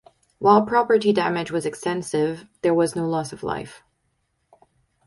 While property damage was extensive, there was no loss of life.